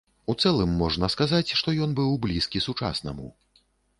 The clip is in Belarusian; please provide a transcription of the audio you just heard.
У цэлым можна сказаць, што ён быў блізкі сучаснаму.